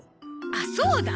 あっそうだ。